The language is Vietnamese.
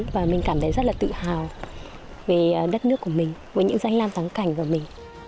và mình cảm thấy rất là tự hào về đất nước của mình với những danh lam thắng cảnh của mình